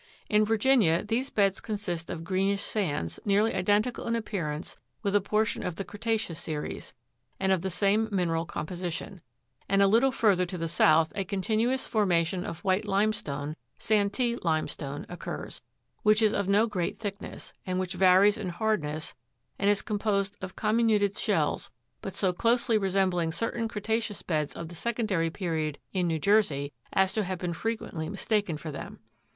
In Virginia these beds consist of greenish sands, nearly identical in appearance with a portion of the creta'ceous series, and of the same mineral composition ; and a little further to the south a continuous formation of white limestone ("Santee limestone") occurs, which is of no great thickness, and which varies in hard ness, and is composed of comminuted shells, but so closely resem bling certain creta'ceous beds of the secondary period in New Jer sey, as to have been frequently mistaken for them.